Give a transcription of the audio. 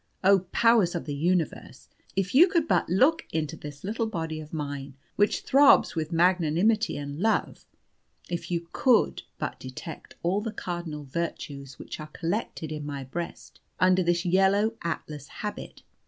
Oh, powers of the universe, if you could but look into this little body of mine which throbs with magnanimity and love; if you could but detect all the cardinal virtues which are collected in my breast, under this yellow Atlas habit.